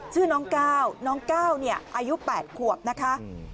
ชื่อน้องก้าวน้องก้าวเนี่ยอายุ๘ขวบนะคะ